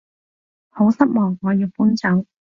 好失望我要搬走